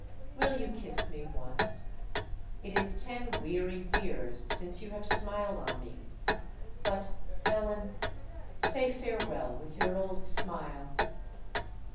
Will you kiss me, once? It is ten weary years since you have smiled on me. But, Helen, say farewell with your old smile!"